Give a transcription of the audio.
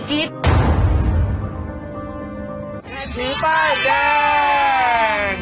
แค่ถือป้าแดง